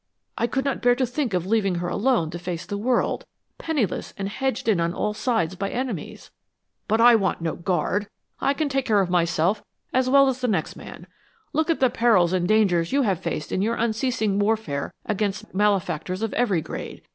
I could not bear to think of leaving her alone to face the world, penniless and hedged in on all sides by enemies. But I want no guard! I can take care of myself as well as the next man. Look at the perils and dangers you have faced in your unceasing warfare against malefactors of every grade.